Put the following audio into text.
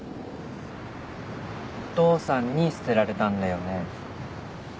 お父さんに捨てられたんだよね？